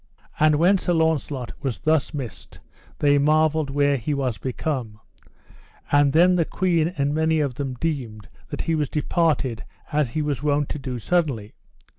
And when Sir Launcelot was thus missed they marvelled where he was become; and then the queen and many of them deemed that he was departed as he was wont to do suddenly.